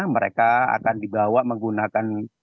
mereka akan dibawa menggunakan